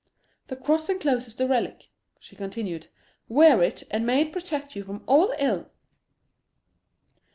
"This cross encloses the relic," she continued; "wear it, and may it protect you from all ill!"